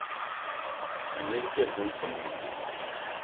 n lili kpe zibisim ni.